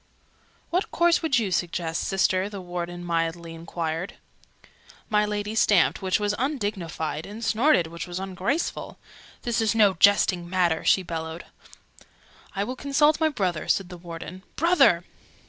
"What course would you suggest, Sister?" the Warden mildly enquired. My Lady stamped, which was undignified: and snorted, which was ungraceful. "This is no jesting matter!" she bellowed. "I will consult my brother," said the Warden. "Brother!"